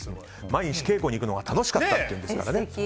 毎日稽古に行くのが楽しかったというんですからね。